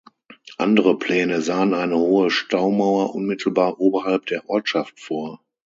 Andere Pläne sahen eine hohe Staumauer unmittelbar oberhalb der Ortschaft vor.